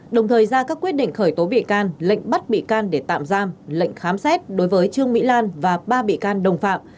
đồng thời ra các quyết định khởi tố bị can lệnh bắt bị can để tạm giam lệnh khám xét đối với trương mỹ lan và ba bị can đồng phạm